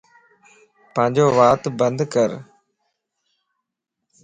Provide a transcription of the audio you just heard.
پانجو وات بند ڪر